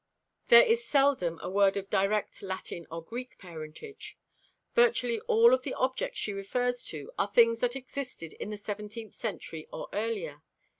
There is seldom a word of direct Latin or Greek parentage. Virtually all of the objects she refers to are things that existed in the seventeenth century or earlier.